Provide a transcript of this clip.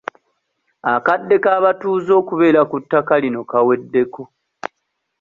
Akadde k'abatuuze okubeera ku ttaka lino kaweddeko.